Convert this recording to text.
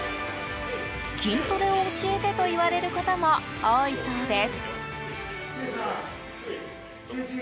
筋トレを教えてと言われることも多いそうです。